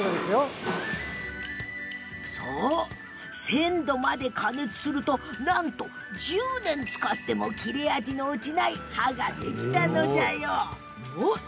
１０００度まで加熱するとなんと１０年使っても切れ味の落ちない刃ができたのじゃよ。